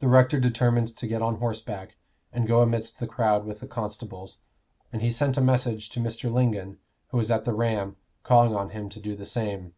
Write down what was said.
The rector determined to get on horseback and go amidst the crowd with the constables; and he sent a message to Mr. Lingon, who was at the Ram, calling on him to do the same.